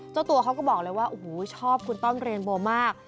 เจ้าตัวเขาก็บอกเลยว่าโอ้โหชอบคุณต้อมเรนโบมาก